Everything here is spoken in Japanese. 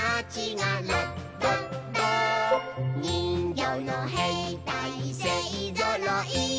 「にんぎょうのへいたいせいぞろい」